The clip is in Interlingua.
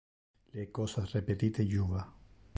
Le cosas repetite juva.